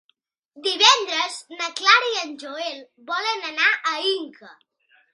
Divendres na Clara i en Joel volen anar a Inca.